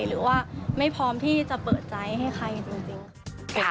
หรือว่าไม่พร้อมที่จะเปิดใจให้ใครจริงค่ะ